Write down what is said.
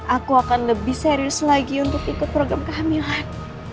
aku akan lebih serius lagi untuk ikut program kehamilan